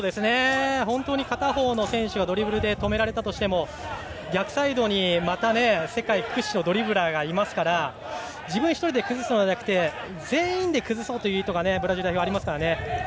本当に片方の選手がドリブルで止められても逆サイドにまた世界屈指のドリブラーがいますから自分１人で崩すのではなくて全員で崩そうという意図がブラジル代表にはありますから。